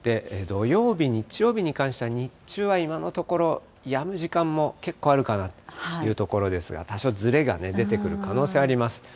土曜日、日曜日に関しては、日中は今のところやむ時間も結構あるかなというところですが、多少、ずれが出てくる可能性あります。